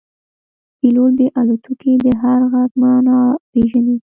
پیلوټ د الوتکې د هر غږ معنا پېژني.